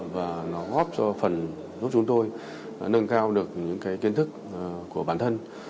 và nó góp cho phần giúp chúng tôi nâng cao được những cái kiến thức của bản thân